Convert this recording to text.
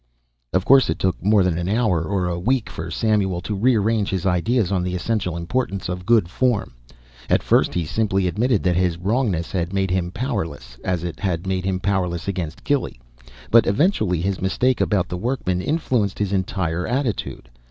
Of course it took more than an hour, or a week, for Samuel to rearrange his ideas on the essential importance of good form. At first he simply admitted that his wrongness had made him powerless as it had made him powerless against Gilly but eventually his mistake about the workman influenced his entire attitude.